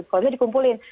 kalau misalnya dikumpulin